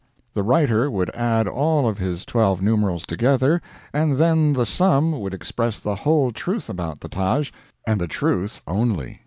The writer would add all of his twelve numerals together, and then the sum would express the whole truth about the Taj, and the truth only 63.